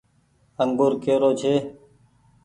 انگور ڪي رو ڇي ۔